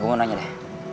gue mau nanya deh